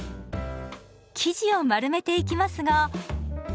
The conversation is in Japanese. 生地を丸めていきますが。